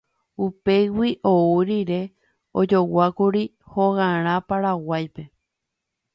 Upégui ou rire, ojoguákuri hogarã Paraguaýpe.